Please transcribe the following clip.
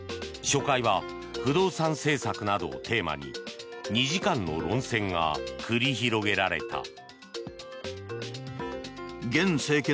初回は不動産政策などをテーマに２時間の論戦が繰り広げられた。